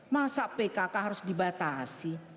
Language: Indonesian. masa pkk harus dibatasi